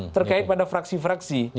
terkait pada fraksi fraksi